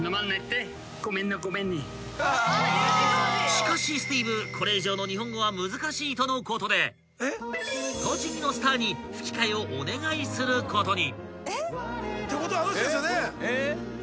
［しかしスティーブこれ以上の日本語は難しいとのことで栃木のスターに吹き替えをお願いすることに］